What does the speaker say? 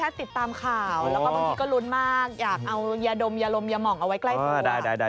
อยากเอายาดมยาลมยาหมองเอาไว้ใกล้ตัว